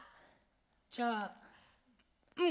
じゃあうん。